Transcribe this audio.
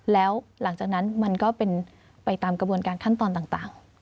แล้วหลังจากนั้นมันก็เป็นไปตามกระบวนการขั้นตอนต่าง